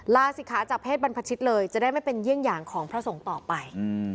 ลาศิกขาจากเศษบรรพชิตเลยจะได้ไม่เป็นเยี่ยงอย่างของพระสงฆ์ต่อไป